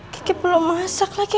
gigi belum masak lagi